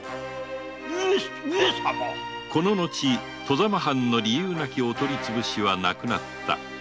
この後外様藩の理由なきお取りつぶしはなくなった。